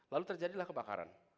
lalu terjadilah kebakaran